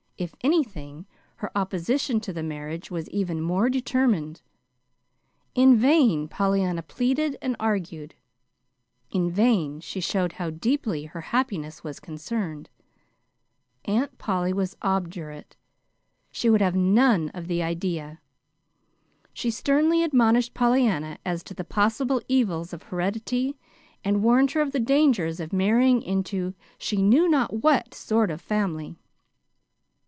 If anything, her opposition to the marriage was even more determined. In vain Pollyanna pleaded and argued. In vain she showed how deeply her happiness was concerned. Aunt Polly was obdurate. She would have none of the idea. She sternly admonished Pollyanna as to the possible evils of heredity, and warned her of the dangers of marrying into she knew not what sort of family.